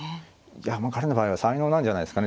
いやもう彼の場合は才能なんじゃないですかねでも。